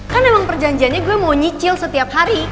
kan emang perjanjiannya gue mau nyicil setiap hari